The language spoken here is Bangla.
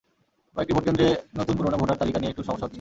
কয়েকটি ভোট কেন্দ্রে নতুন পুরোনো ভোটার তালিকা নিয়ে একটু সমস্যা হচ্ছে।